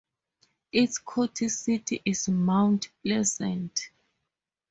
Its county seat is Mount Pleasant.